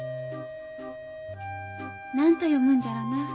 何と読むんじゃろな？